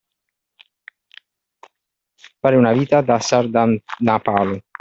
Fare una vita da sardanapalo.